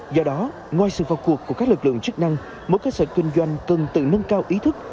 do đó ngoài sự vào cuộc của các lực lượng chức năng mỗi cơ sở kinh doanh cần tự nâng cao ý thức